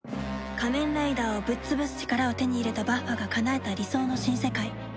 仮面ライダーをぶっ潰す力を手に入れたバッファがかなえた理想の新世界